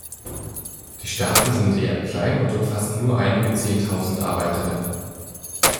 Die Staaten sind eher klein und umfassen nur einige zehntausend Arbeiterinnen.